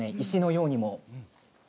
石のようにも。